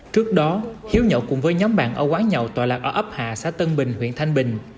trước đó hiếu nhậu cùng với nhóm bạn ở quán nhậu tòa lạc ở ấp hà xã tân bình huyện thanh bình